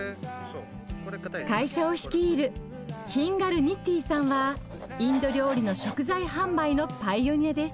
会社を率いるヒンガル・ニッティンさんはインド料理の食材販売のパイオニアです。